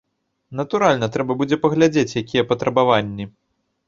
Натуральна, трэба будзе паглядзець, якія патрабаванні.